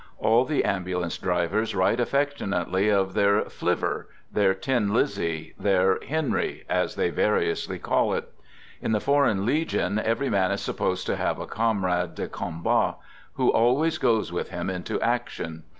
All the ambulance drivers write affectionately of their " flivver," their " Tin Lizzie," their " Henry," as they variously call it. In the Foreign Legion every man is supposed to have a comrade de combat who always goes with him into action.